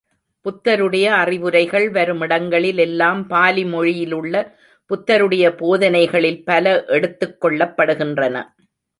புத்தருடைய அறிவுரைகள் வருமிடங்களில் எல்லாம் பாலிமொழியிலுள்ள புத்தருடைய போதனைகளில் பல எடுத்துக் கொள்ளப்படுகின்றன.